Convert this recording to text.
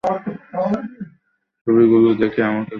ছবিগুলো দেখে আমাকে কল করুন।